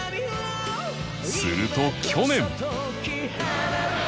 すると去年